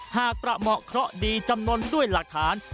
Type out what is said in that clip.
หากประเหมาะเคราะห์ดีจำนวนด้วยหลักฐาน